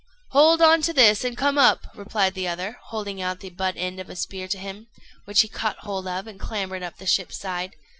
"Hold on to this, and come up," replied the other, holding out the butt end of a spear to him, which he caught hold of and clambered up the ship's side.